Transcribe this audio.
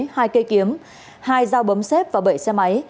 hai cây kiếm hai dao bấm xét và bảy xe máy